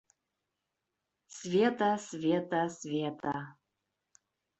Света, Света, Света...